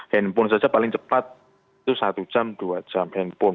handphone saja paling cepat itu satu jam dua jam handphone